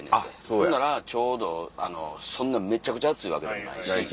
ほんだらちょうどそんなめちゃくちゃ暑いわけでもないし。